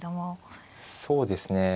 そうですね。